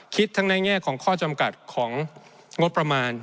คิดทั้งในแง่ของข้อจำกัดของงบประมาณ